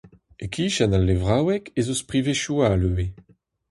E-kichen al levraoueg ez eus privezioù all ivez.